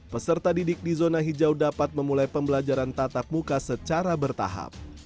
peserta didik di zona hijau dapat memulai pembelajaran tatap muka secara bertahap